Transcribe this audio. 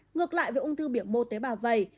ngược lại với ung thư biểu mô tế bào vầy